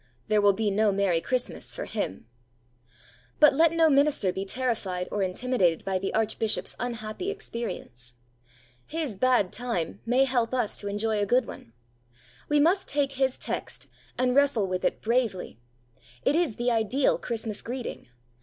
There will be no merry Christmas for him! But let no minister be terrified or intimidated by the Archbishop's unhappy experience. His 'bad time' may help us to enjoy a good one. We must take his text, and wrestle with it bravely. It is the ideal Christmas greeting.